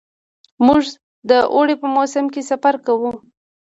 موږ د اوړي په موسم کې سفر کوو.